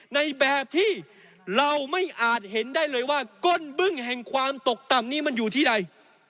ในแบบที่เราไม่อาจเห็นได้เลยว่าก้นบึ้งแห่งความตกต่ำนี้มันอยู่ที่ใด